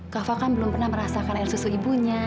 kafa kan belum pernah merasakan air susu ibunya